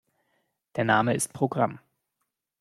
Der Name ist Programm.